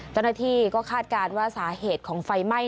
เจ้าหน้าที่ก็คาดการณ์ว่าสาเหตุของไฟไหม้